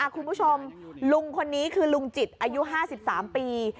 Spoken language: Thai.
คุณผู้ชมลุงคนนี้คือลุงจิตอายุ๕๓ปี